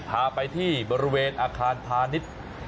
พาไปที่รับบริเวณอาคารผานิต